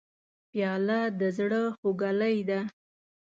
پیاله د زړه خوږلۍ ده.